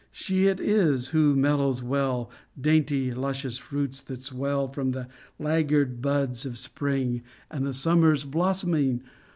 She it is who mellows well Dainty, luscious fruits that swell From the laggard buds of spring And the summer's blossoming.